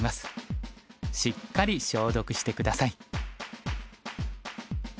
しっかり消毒してください。